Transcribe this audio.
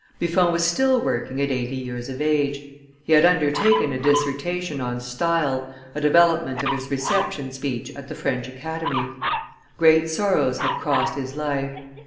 Buffon was still working at eighty years of age; he had undertaken a dissertation on style, a development of his reception speech at the French Academy. Great sorrows had crossed his life.